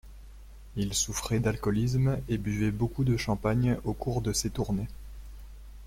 Il souffrait d'alcoolisme et buvait beaucoup de champagne au cours de ses tournées.